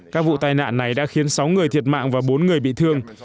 các vụ tai nạn này đã khiến sáu người thiệt mạng và bốn người bị thiệt mạng